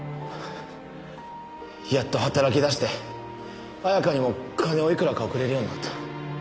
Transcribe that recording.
やっと働き出して彩花にも金をいくらか送れるようになった。